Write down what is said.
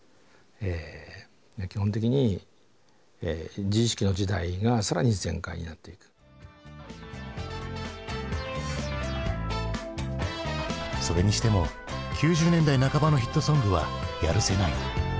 基本的にそれにしても９０年代半ばのヒットソングはやるせない。